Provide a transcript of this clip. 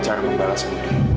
cara mencintai orang lain